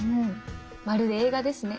まるで映画ですね。